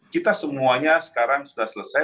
kita semuanya sekarang sudah selesai